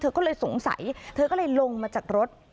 ก็เลยสงสัยเธอก็เลยลงมาจากรถ